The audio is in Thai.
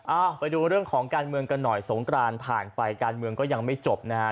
ไปดูเรื่องของการเมืองกันหน่อยสงกรานผ่านไปการเมืองก็ยังไม่จบนะฮะ